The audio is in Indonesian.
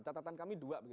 catatan kami dua